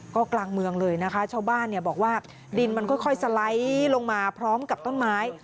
ก็กลางเมืองเลยนะคะชาวบ้านเนี่ยบอกว่าดินมันค่อยสไลด์ลงมาพร้อมกับต้นไม้